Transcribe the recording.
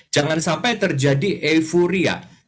jangan sampai terjadi euforia